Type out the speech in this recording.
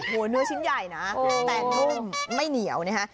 เนื้อชิ้นใหญ่นะแต่นุ่มไม่เหนียวนะฮะ